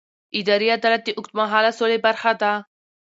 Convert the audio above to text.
اداري عدالت د اوږدمهاله سولې برخه ده